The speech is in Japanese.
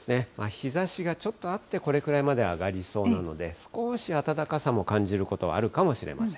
日ざしがちょっとあってこれくらいまで上がりそうなので、少し暖かさも感じることはあるかもしれません。